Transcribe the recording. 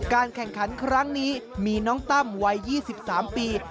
แข่งขันครั้งนี้มีน้องตั้มวัย๒๓ปี